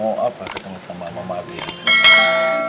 oh apa ketemu sama mama adriana